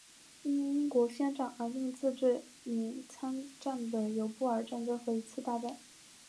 因英国宣战而令自治领参战的有布尔战争和一次大战。